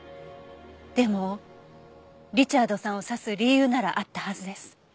でもリチャードさんを刺す理由ならあったはずです。